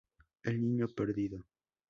El niño perdido.